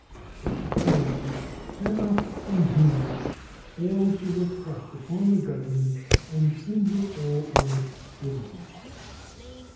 Such occurrences can not, and do not, fail to reflect upon the Government and injure all honest citizens.